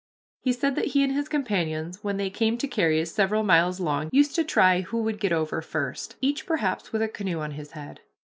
He said that he and his companions when they came to carries several miles long used to try who would get over first; each perhaps with a canoe on his head.